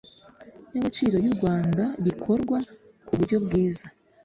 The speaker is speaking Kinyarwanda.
Y agaciro y u rwanda rikorwa ku buryo bwiza